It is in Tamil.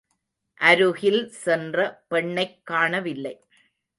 அருகில் சென்ற பெண்ணைக் காணவில்லை.